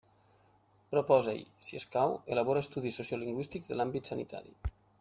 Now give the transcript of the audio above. Proposa i, si escau, elabora estudis sociolingüístics de l'àmbit sanitari.